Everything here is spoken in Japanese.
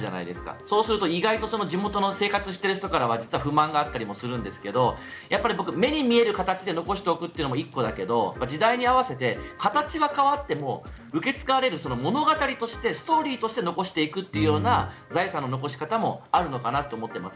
そうすると意外と地元の生活している人からは不満があったりするんですけど目に見える形で残しておくのも１個だけど、時代に合わせて形は変わっても受け継がれる物語として、ストーリーとして残しておくというような財産の残し方もあるのかなと思っています。